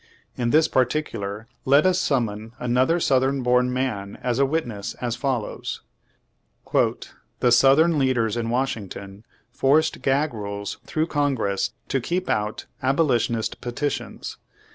In this particular let us summon another southern born m^an as a wit ness, as follows: "The southern leaders in Washington forced gag rules through Congress to keep out abolitionist petitions.